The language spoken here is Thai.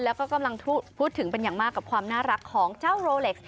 แล้วก็กำลังพูดถึงเป็นอย่างมากกับความน่ารักของเจ้าโรเล็กซ